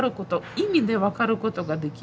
意味で分かることができるし。